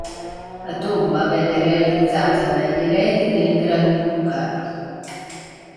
La tomba venne realizzata dagli eredi del granduca.